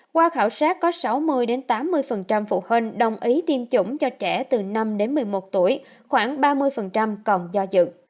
qua khảo sát có sáu mươi tám mươi phụ huynh đồng ý tiêm chủng cho trẻ từ năm đến một mươi một tuổi khoảng ba mươi còn do dự